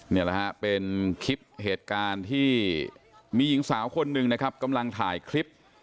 นี่แหละฮะเป็นคลิปเหตุการณ์ที่มีหญิงสาวคนหนึ่งนะครับกำลังถ่ายคลิป